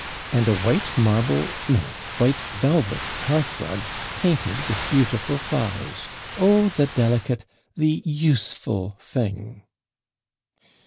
And a white marble no! white velvet hearthrug, painted with beautiful flowers oh, the delicate, the USEFUL thing!'